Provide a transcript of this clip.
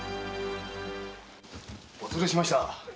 お連れしました。